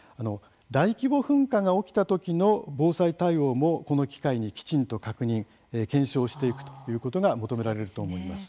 大規模噴火が起きたときの防災対応もこの機会にきちんと確認、検証していくということが求められると思います。